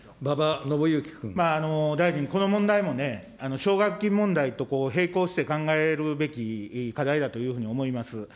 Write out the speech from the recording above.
大臣、この問題もね、奨学金問題と並行して考えるべき課題だというふうに思います。